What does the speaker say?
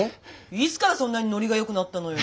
いつからそんなにノリが良くなったのよ。